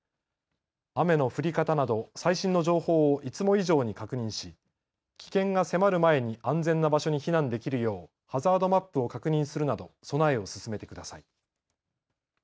雨の降り方など最新の情報をいつも以上に確認し危険が迫る前に安全な場所に避難できるようハザードマップを確認するなど備えを進めてください。